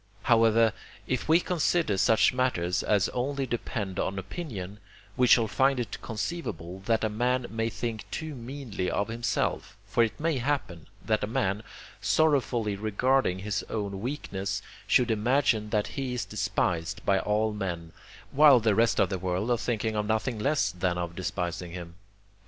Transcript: However, if we consider such matters as only depend on opinion, we shall find it conceivable that a man may think too meanly of himself; for it may happen, that a man, sorrowfully regarding his own weakness, should imagine that he is despised by all men, while the rest of the world are thinking of nothing less than of despising him.